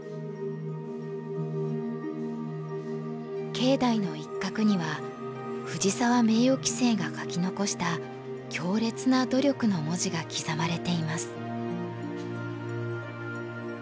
境内の一角には藤沢名誉棋聖が書き残した「強烈な努力」の文字が刻まれています。